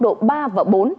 độ ba và bốn